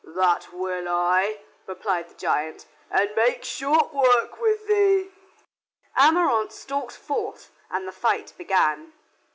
"That will I," replied the giant, "and make short work with thee." Ameraunt stalked forth and the fight began.